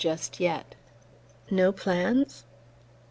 just yet..." "No plans?"